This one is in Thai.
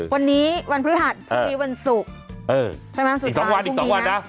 วันนี้วันพฤหัสวันที่วันศุกร์ใช่ไหมสุดท้ายอีก๒วันนะ